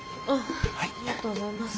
ありがとうございます。